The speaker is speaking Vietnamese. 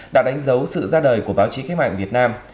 đã đánh dấu sự ra đời của báo chí cách mạng việt nam